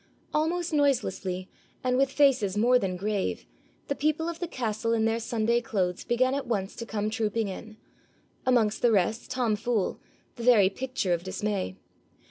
Almost noiselessly, and with faces more than grave, the people of the castle in their Sunday clothes began at once to come trooping in, amongst the rest Tom Fool, the very picture of dismay.